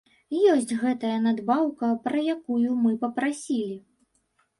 Ёсць гэтая надбаўка, пра якую мы папрасілі.